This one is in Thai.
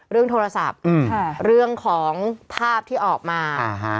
เรื่องโทรศัพท์เรื่องของภาพที่ออกมา